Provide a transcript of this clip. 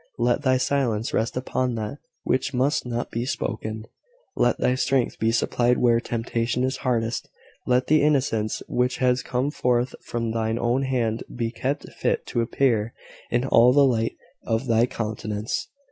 Let thy silence rest upon that which must not be spoken. Let thy strength be supplied where temptation is hardest. Let the innocence which has come forth from thine own hand be kept fit to appear in all the light of thy countenance.